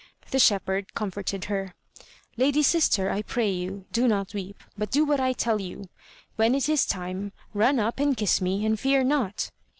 The shepherd comforted her: "Lady sister, I pray you, do not weep, but do what I tell you. When it is time, run up and kiss me, and fear not."